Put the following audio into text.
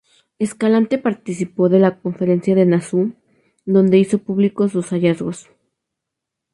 Escalante participó de la Conferencia de Nassau, donde hizo públicos sus hallazgos.